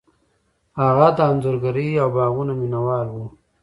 هغه د انځورګرۍ او باغونو مینه وال و.